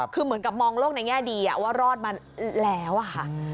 คือเหมือนกับมองโลกในแง่ดีว่ารอดมาแล้วอะค่ะ